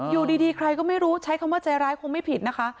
อยู่ดีใครก็ไม่รู้ใช้คำว่าใจร้ายคงไม่ผิดนะคะ